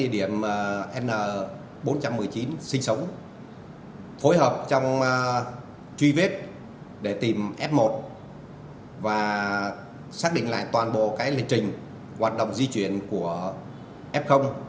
để tìm f một và xác định lại toàn bộ lịch trình hoạt động di chuyển của f